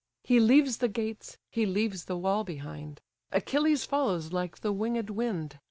He leaves the gates, he leaves the wall behind: Achilles follows like the winged wind.